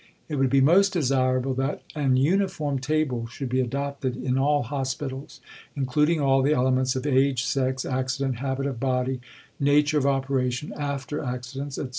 "It would be most desirable that an uniform Table should be adopted in all Hospitals, including all the elements of age, sex, accident, habit of body, nature of operation, after accidents, etc.